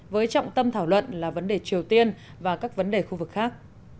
với trọng tâm thảo luận là vấn đề triều tiên và các vấn đề khu vực khác